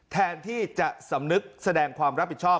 แทนที่จะสำนึกแสดงความรับผิดชอบ